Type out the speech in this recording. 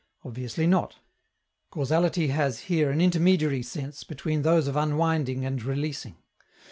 Obviously not: causality has here an intermediary sense between those of unwinding and releasing.